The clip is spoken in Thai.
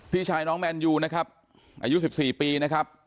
พี่ชายน้องแมนยูนะครับอายุ๑๔ปีนะครับ